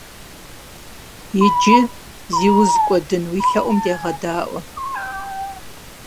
Иджы, зи уз кӀуэдын, уи лъэӀум дегъэдаӀуэ.